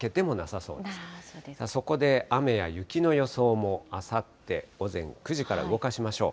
そこで雨や雪の予想も、あさって午前９時から動かしましょう。